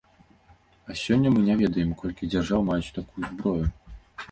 А сёння мы не ведаем, колькі дзяржаў маюць такую зброю.